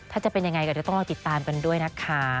ถ้าจะเป็นยังไงก็เดี๋ยวต้องรอติดตามกันด้วยนะคะ